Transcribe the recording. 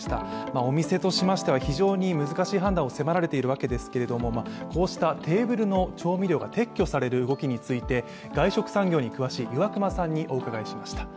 お店としましては非常に難しい判断を迫られているわけですけどもこうしたテーブルの調味料が撤去される動きについて、外食産業に詳しい岩熊さんにお伺いしました。